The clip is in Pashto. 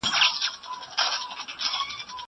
زه اوس پاکوالي ساتم!